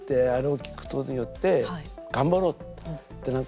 あれを聴くことによって頑張ろうって。